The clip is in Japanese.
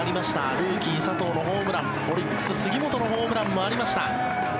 ルーキー、佐藤のホームランオリックス、杉本のホームランもありました。